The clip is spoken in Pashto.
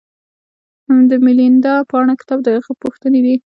د میلیندا پانه کتاب د هغه پوښتنې دي